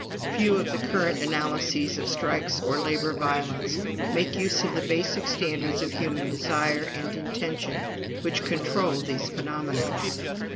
Few of the current analyses of strikes or labor violence make use of the basic standards of human desire and intention which control these phenomena.